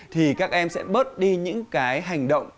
thì các em sẽ bớt đi những cái hành động